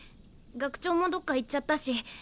学長もどっか行っちゃったし。